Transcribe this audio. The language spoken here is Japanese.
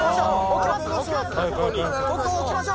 置きます？